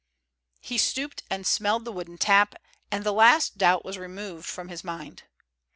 He stooped and smelled the wooden tap, and the last doubt was removed from his mind.